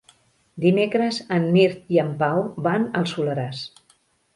Dimecres en Mirt i en Pau van al Soleràs.